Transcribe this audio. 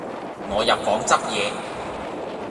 我入房執野